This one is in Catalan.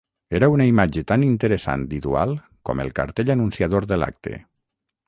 Era una imatge tan interessant i dual com el cartell anunciador de l'acte.